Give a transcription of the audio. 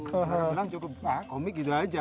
mereka bilang cukup komik gitu aja